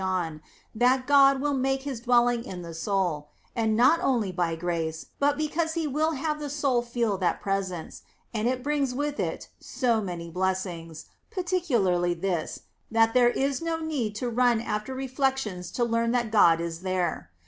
John, that God will make His dwelling in the soul:^ and not only by grace, but because He Avill have the soul feel that presence, and it brings with it so many blessings, particularly this, that there is no need to run after reflections to learn that God is there.